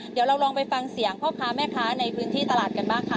เดี๋ยวเราลองไปฟังเสียงพ่อค้าแม่ค้าในพื้นที่ตลาดกันบ้างค่ะ